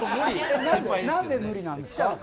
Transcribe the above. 何で無理なんですか？